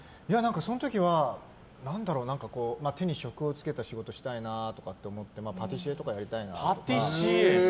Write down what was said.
その時は手に職をつけた仕事をしたいなと思っててパティシエとかやりたいなって。